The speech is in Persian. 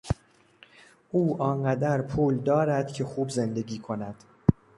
او آن قدر پول دارد که خوب زندگی کند.